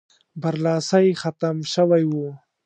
برلاسی ختم شوی وو.